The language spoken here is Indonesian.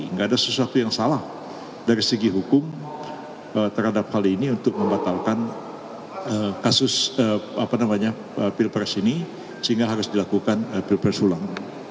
nggak ada sesuatu yang salah dari segi hukum terhadap hal ini untuk membatalkan kasus pilpres ini sehingga harus dilakukan pilpres ulang